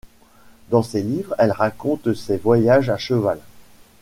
Dans ses livres elle raconte ses voyages à cheval.